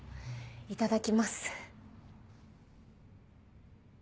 いただきます。